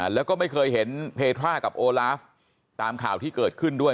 แล้วก็ไม่เคยเห็นเพทรากับโอลาฟตามข่าวที่เกิดขึ้นด้วย